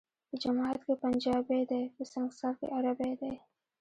په جماعت کي پنجابی دی ، په سنګسار کي عربی دی